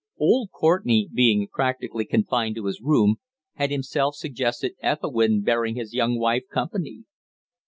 Old Courtenay, being practically confined to his room, had himself suggested Ethelwynn bearing his young wife company.